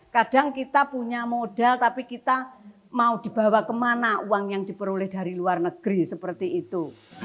kadang kita punya modal tapi kita mau dibawa kemana uang yang diperoleh dari luar negeri seperti itu